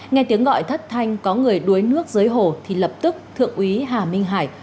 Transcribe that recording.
nghe tiếng gọi thất thanh có người đuối nước dưới hồ thì lập tức thượng úy hà minh hải